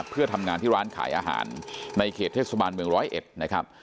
เพื่อทำงานที่ร้านขายอาหารในเขตเทศบาลเมืองร้อยเอ็ดนะครับ